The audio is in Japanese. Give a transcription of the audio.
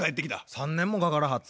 ３年もかからはった。